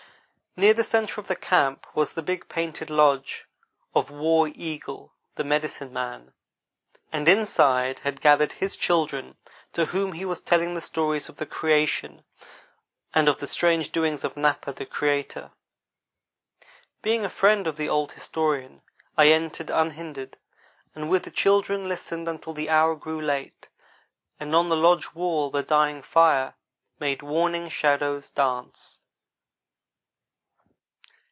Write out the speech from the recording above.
Near the centre of the camp was the big painted lodge of War Eagle, the medicine man, and inside had gathered his grandchildren, to whom he was telling the stories of the creation and of the strange doings of Napa, the creator. Being a friend of the old historian, I entered unhindered, and with the children listened until the hour grew late, and on the lodge wall the dying fire made warning shadows dance.